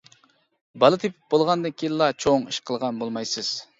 بالا تېپىپ بولغاندىن كېيىنلا چوڭ ئىش قىلغان بولمايسىز.